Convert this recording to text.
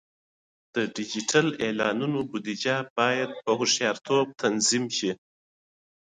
د ډیجیټل اعلانونو بودیجه باید په هوښیارتوب تنظیم شي.